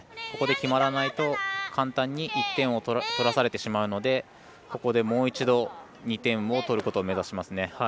ここで決まらないと簡単に１点を取らされてしまうのでここでもう一度２点を取ることを目指しますね。